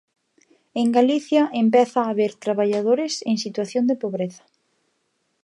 En Galicia empeza a haber traballadores en situación de pobreza.